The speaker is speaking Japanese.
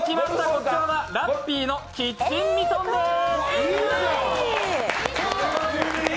こちらはラッピーのキッチンミトンです。